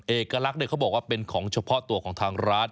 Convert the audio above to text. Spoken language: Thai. เอกลักษณ์เขาบอกว่าเป็นของเฉพาะตัวของทางร้าน